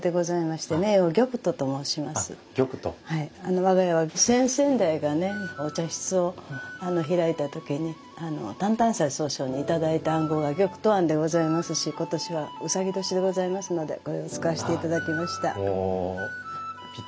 我が家は先先代がねお茶室を開いた時に淡々斎宗匠に頂いた庵号が「玉兎庵」でございますし今年は卯年でございますのでこれを使わせて頂きました。